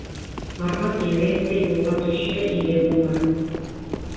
Ҡарға килгәс тә юлға төшһә, иген уңыр.